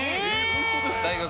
本当ですか？